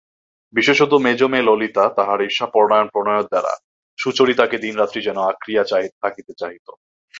বিশেষত মেজো মেয়ে ললিতা তাহার ঈর্ষাপরায়ণ প্রণয়ের দ্বারা সুচরিতাকে দিনরাত্রি যেন আঁকড়িয়া থাকিতে চাহিত।